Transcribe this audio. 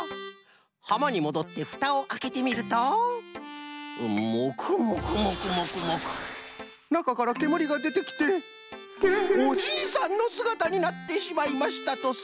はまにもどってフタをあけてみるとモクモクモクモクモクなかからけむりがでてきておじいさんのすがたになってしまいましたとさ。